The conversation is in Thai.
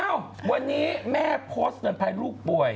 อ้าววันนี้แม่โพสเหมือนภายลูกป่วย